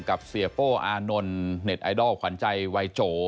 เสียโป้อานนท์เน็ตไอดอลขวัญใจวัยโจ